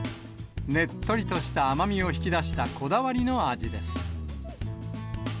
ねっとりとした甘みを引き出したこだわりの味です。